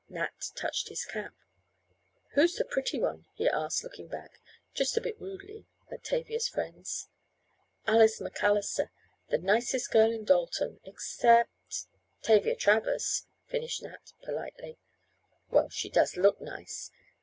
Nat touched his cap. "Who's the pretty one?" he asked, looking back, just a bit rudely, at Tavia's friends. "Alice MacAllister, the nicest girl in Dalton, except " "Tavia Travers," finished Nat, politely. "Well, she does look nice.